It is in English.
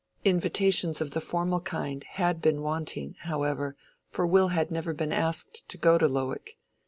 Invitations of the formal kind had been wanting, however, for Will had never been asked to go to Lowick.